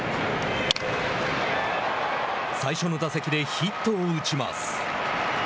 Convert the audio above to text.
最初の打席でヒットを打ちます。